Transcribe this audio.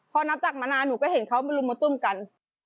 พอนับจากมานานหนูก็เห็นเขามาลุมมาตุ้มกัน